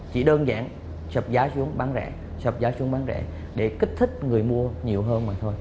chỉ đơn giản sập giá xuống bán rẻ sập giá xuống bán rẻ để kích thích người mua nhiều hơn mà thôi